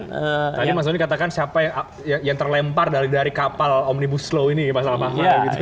tadi mas zonny katakan siapa yang terlempar dari kapal omnibus slow ini pasal apa apa